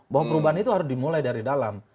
bahwa perubahan itu harus dimulai dari dalam